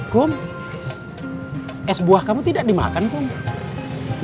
kum es buah kamu tidak dimakan kum